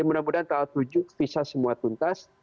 jadi mudah mudahan tahun tujuh visa semua tuntas